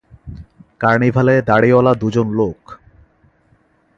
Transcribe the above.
কার্নিভালে দাড়িওয়ালা দুজন লোক।